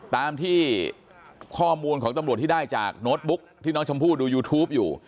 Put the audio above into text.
ตามที่ข้อมูลของตำรวจที่ได้จากโน้ตบุ๊กที่น้องชมพู่ดูยูทูปอยู่